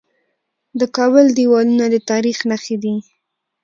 د کابل دیوالونه د تاریخ نښې دي